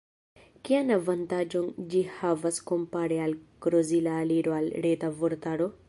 Kian avantaĝon ĝi havas kompare al krozila aliro al Reta Vortaro?